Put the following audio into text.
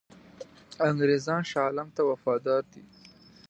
انګرېزان شاه عالم ته وفادار دي.